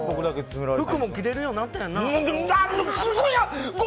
服も着れるようになったやんな。